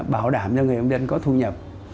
bảo đảm cho người đông dân có thu nhập